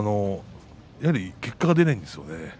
やはり結果が出ないんですよね。